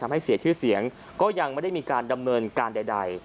ให้เสียชื่อเสียงก็ยังไม่ได้มีการดำเนินการใด